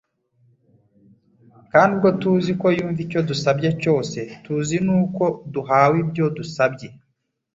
Kandi ubwo tuzi ko yumva icyo dusabye cyose, tuzi nuko duhawe ibyo dusabye. "